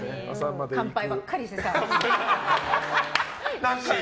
乾杯ばっかりしてさ。